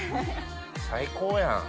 最高やん。